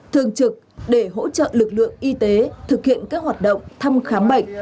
thường trực để hỗ trợ lực lượng y tế thực hiện các hoạt động thăm khám bệnh